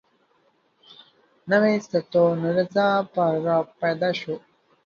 نوي ستونزه به را پیدا شوه.